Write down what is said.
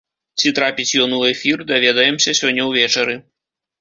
Ці трапіць ён у эфір, даведаемся сёння ўвечары.